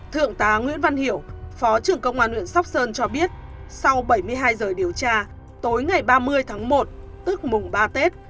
thượng tá nguyễn văn hiểu phó trưởng công an huyện sóc sơn cho biết sau bảy mươi hai giờ điều tra tối ngày ba mươi tháng một tức mùng ba tết